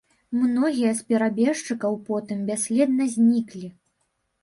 Многія з перабежчыкаў потым бясследна зніклі.